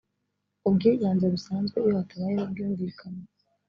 ubwiganze busanzwe iyo hatabayeho ubwumvikane